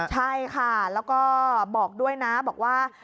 ใช่ค่ะแล้วก็บอกด้วยนะบอกว่า